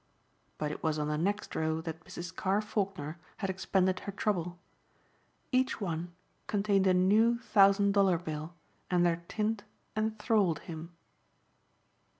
But it was on the next row that Mrs. Carr Faulkner had expended her trouble. Each one contained a new thousand dollar bill and their tint enthralled him.